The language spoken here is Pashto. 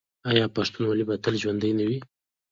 آیا پښتونولي به تل ژوندي نه وي؟